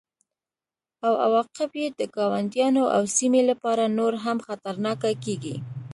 او عواقب یې د ګاونډیانو او سیمې لپاره نور هم خطرناکه کیږي